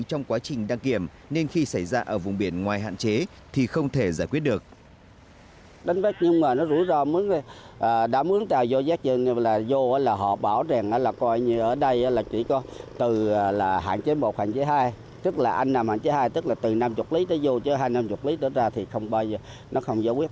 trong quá trình đăng kiểm nên khi xảy ra ở vùng biển ngoài hạn chế thì không thể giải quyết được